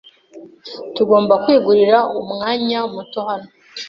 Tugomba kwigurira umwanya muto hano.